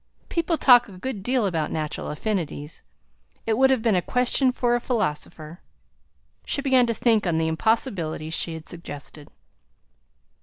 People talk a good deal about natural affinities. It would have been a question for a philosopher." She began to think on the impossibilities she had suggested.